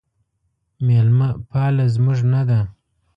میلمه پاله زموږ نه ده